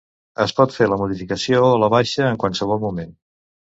Es pot fer la modificació o la baixa en qualsevol moment.